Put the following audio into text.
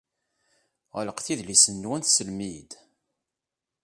Ɣelqet idlisen-nwen teslem-iyi-d.